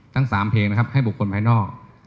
ทั้ง๓เพลงนะครับให้บุคคลภายนอก